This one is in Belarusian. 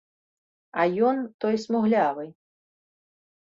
А ён, той смуглявы.